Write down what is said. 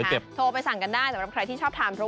โทรไปสั่งกันได้สำหรับใครที่ชอบทาน